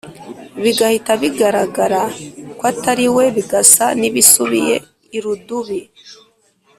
bigahita bigaragara ko atari we bigasa n’ibisubiye irudubi.